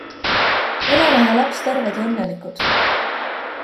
Elena ja laps terved ja õnnelikud.